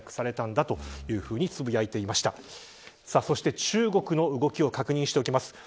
そして、中国の動きを確認しておきます。